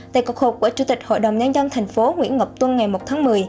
tại cuộc họp của chủ tịch hội đồng nhân dân thành phố nguyễn ngọc tuân ngày một tháng một mươi